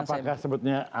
dan apakah sebutnya anda